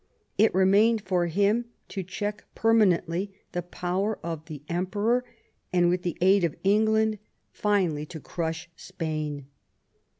It remained for him to check permanently the power of the Emperor, and with the aid of England finally to crush Spain.